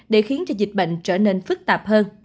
để khiến cho dịch bệnh trở nên phức tạp hơn